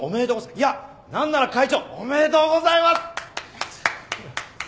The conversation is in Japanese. いや何なら会長おめでとうございます！